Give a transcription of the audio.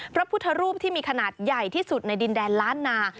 พระพุทธรูปที่มีขนาดใหญ่ที่สุดในดินแดนล้านนา